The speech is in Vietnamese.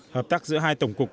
hợp tác giữa hai tổng cục